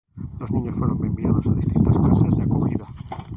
Los niños fueron enviados a distintas casas de acogida.